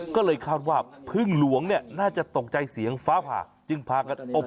ก็เลยคาดว่าเพลิงหลวงเนี่ยน่าจะตกใจเสียงฟ้าผ่า